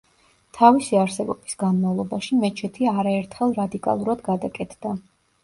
თავისი არსებობის განმავლობაში მეჩეთი არაერთხელ რადიკალურად გადაკეთდა.